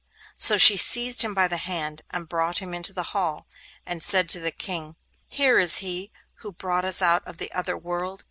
So she seized him by the hand, and brought him into the hall, and said to the King: 'Here is he who brought us out of the other world.